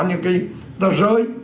những cái tờ rơi